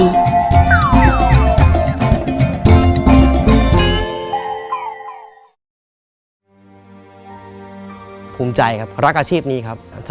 รายการต่อไปนี้เป็นรายการทั่วไปสามารถรับชมได้ทุกวัย